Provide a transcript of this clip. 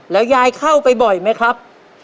แล้วยายเข้าไปบ่อยไหมครับ